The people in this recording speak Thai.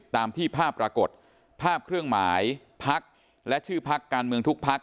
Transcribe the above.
ตามที่ภาพปรากฏภาพเครื่องหมายพักและชื่อพักการเมืองทุกพัก